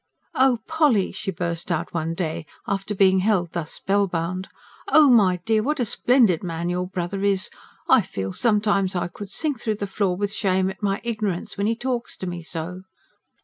"Oh, Polly!" she burst out one day, after being held thus spellbound. "Oh, my dear, what a splendid man your brother is! I feel sometimes I could sink through the floor with shame at my ignorance, when 'e talks to me so."